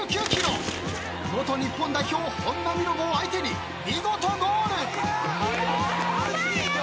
［元日本代表本並ロボを相手に見事ゴール］